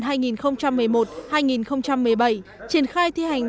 triển khai thi hành lực lượng kinh doanh đất